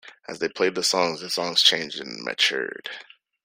As they played the songs, the songs changed and matured.